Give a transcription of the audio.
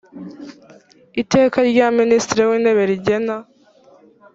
iteka rya minisitiri w intebe rigena